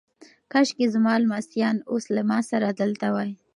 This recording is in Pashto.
کاشکي زما لمسیان اوس له ما سره دلته وای.